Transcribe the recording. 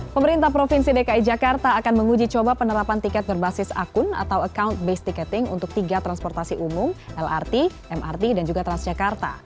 pemerintah provinsi dki jakarta akan menguji coba penerapan tiket berbasis akun atau account based ticketing untuk tiga transportasi umum lrt mrt dan juga transjakarta